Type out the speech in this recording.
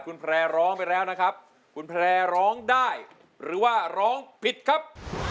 คุณแพร่ร้องไปแล้วนะครับคุณแพร่ร้องได้หรือว่าร้องผิดครับ